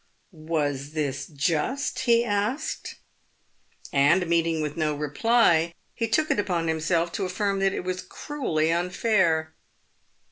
" Was this just ?" he asked; and meeting with no reply, he took upon himself to affirm that it was cruelly unfair.